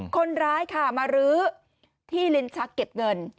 คนร้ายค่ะมารื้อที่ลิ้นชักเก็บเงิน